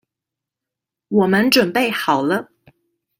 我們準備好了